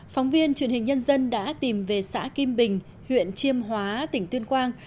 phóng viên truyền hình nhân dân đã tìm về xã kim bình huyện chiêm hóa tỉnh tuyên quang